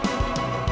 jadi dua kita